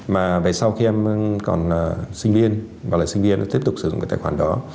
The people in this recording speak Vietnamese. mà về sau khi em còn sinh viên hoặc là sinh viên tiếp tục sử dụng cái tài khoản đó